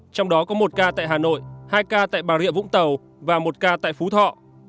trong đó có một ca tại hà nội hai ca tại bà rịa vũng tàu và một ca tại phú thọ